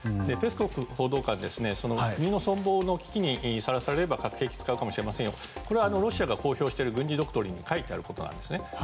ペスコフ報道官国の存亡の危機にさらされれば核兵器を使うかもしれませんよとこれはロシアが公表している軍事ドクトリンに書いてあることなんですね。